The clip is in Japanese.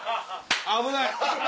危ない！